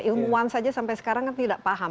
ilmuwan saja sampai sekarang kan tidak paham